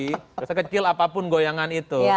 bisa kecil apapun goyangan itu